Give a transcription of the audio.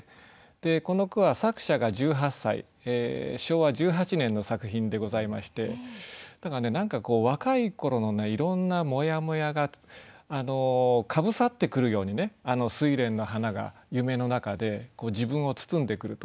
でこの句は作者が１８歳昭和１８年の作品でございまして何かこう若い頃のねいろんなモヤモヤがかぶさってくるようにね睡蓮の花が夢の中で自分を包んでくると。